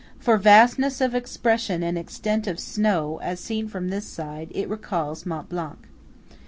For vastness of expression and extent of snow, as seen from this side, it recalls Mont Blanc.